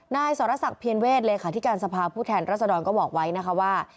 นายสรษักเพียรเวศเลขาธิการสภาพผู้แทนรัศดรก็บอกไว้นะคะว่า